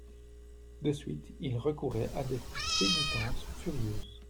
De suite, ils recouraient à des pénitences furieuses.